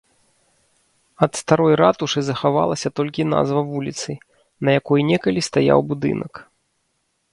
Ад старой ратушы захавалася толькі назва вуліцы, на якой некалі стаяў будынак.